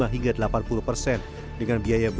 enam puluh lima hingga delapan puluh persen